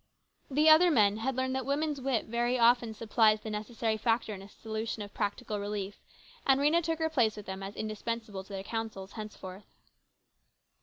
The other men had learned that woman's wit very often supplies the necessary factor in a solution of practical relief, and Rhena took her place with them as indispensable to their councils henceforth.